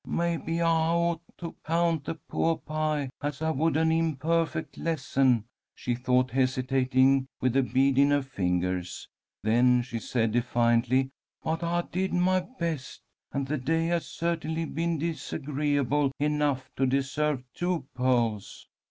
"Maybe I ought to count the poah pie as I would an imperfect lesson," she thought, hesitating, with a bead in her fingers. Then she said, defiantly: "But I did my best, and the day has certainly been disagreeable enough to deserve two pearls."